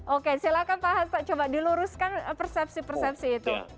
oke silahkan pak hasto coba diluruskan persepsi persepsi itu